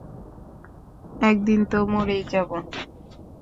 একদিন তো মরেই যাবো।